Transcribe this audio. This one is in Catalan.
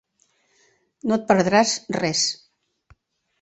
No et perdràs res.